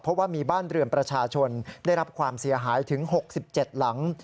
เพราะว่ามีบ้านเรือนประชาชนได้รับความเสียหายถึง๖๗หลัง